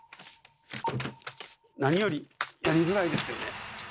何よりやりづらいですよね。